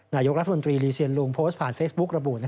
นายกรัฐมนตรีรีเซียนลุงโพสต์ผ่านเฟซบุ๊กระบุ